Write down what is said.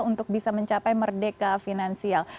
untuk bisa mencapai merdeka finansial